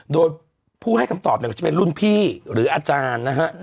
โดยผู้ให้คำตอบเนี่ยก็จะเป็นรุ่นพี่หรืออาจารย์นะฮะ